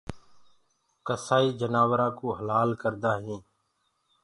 ڪسآئي جآنورآ ڪوُ هلآ ڪردآ هينٚ